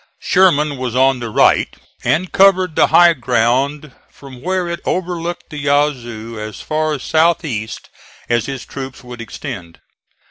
Sherman was on the right, and covered the high ground from where it overlooked the Yazoo as far south east as his troops would extend.